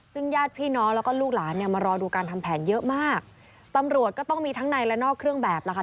ซึ่งญาติพี่น้องแล้วก็ลูกหลานเนี่ยมารอดูการทำแผนเยอะมากตำรวจก็ต้องมีทั้งในและนอกเครื่องแบบล่ะค่ะ